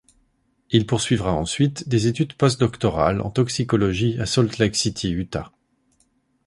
Il poursuivra ensuite des études post-doctorales en toxicologie à Salt Lake City, Utah.